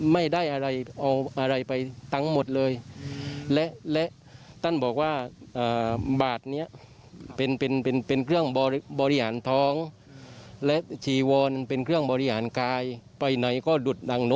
มีที่นั่งมีแกล้เล็กแค่นั้น